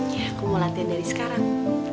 ya aku mau latihan dari sekarang